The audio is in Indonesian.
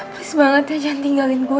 bersemangat aja ntinggalin gue